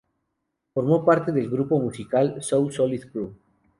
Formó parte del grupo musical "So Solid Crew".